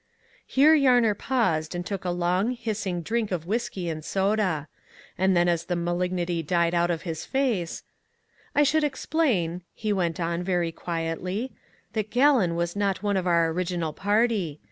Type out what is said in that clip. Here Yarner paused and took a long, hissing drink of whiskey and soda: and then as the malignity died out of his face "I should explain," he went on, very quietly, "that Gallon was not one of our original party.